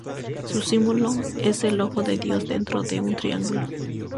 Su símbolo es el ojo de Dios dentro de un triángulo.